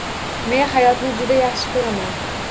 Men hayotni juda yaxshi koʻraman.